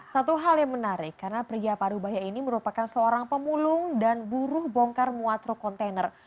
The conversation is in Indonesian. satu hal yang menarik karena pria parubaya ini merupakan seorang pemulung dan buruh bongkar muatro kontainer